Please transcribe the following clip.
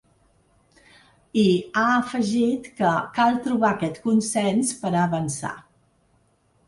I ha afegit que ‘cal trobar aquest consens per a avançar’.